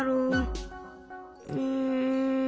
うん。